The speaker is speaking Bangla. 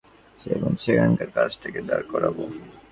আগামী শীতে আমি ভারতে ফিরব এবং সেখানকার কাজটাকে দাঁড় করাব।